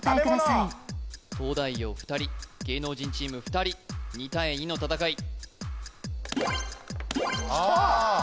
東大王２人芸能人チーム２人２対２の戦いきた！